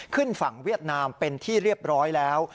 ขึ้นฝั่งเวียดนามเป็นที่เรียบร้อยแล้ว